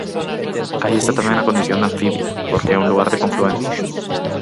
Aí está tamén a condición de anfibia, porque é un lugar de confluencia.